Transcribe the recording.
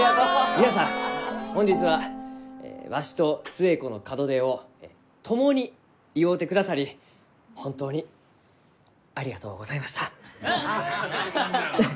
皆さん本日はわしと寿恵子の門出を共に祝うてくださり本当にありがとうございました。